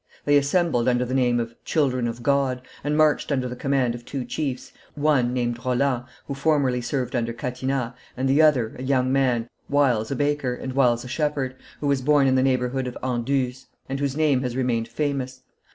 They assembled under the name of Children of God, and marched under the command of two chiefs, one, named Roland, who formerly served under Catinat, and the other, a young man, whiles a baker and whiles a shepherd, who was born in the neighborhood of Anduze, and whose name has remained famous.